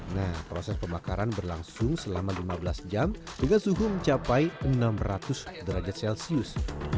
nah proses pembakaran berlangsung selama lima belas jam dengan suhu mencapai enam ratus derajat celcius